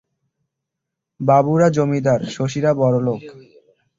বাবুরা জমিদার, শশীরা বড়লোক।